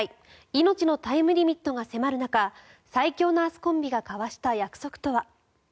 命のタイムリミットが迫る中最強ナースコンビが交わした約束とは。